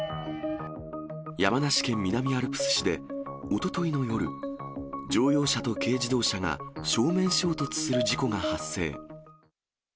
山梨県南アルプス市でおとといの夜、乗用車と軽自動車が正面衝突する事故が発生。